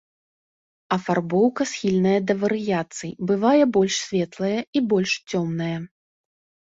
Афарбоўка схільная да варыяцый, бывае больш светлая і больш цёмная.